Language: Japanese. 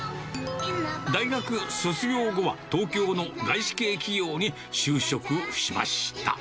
大学卒業後は、東京の外資系企業に就職しました。